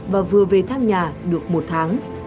và vừa về thăm nhà được một tháng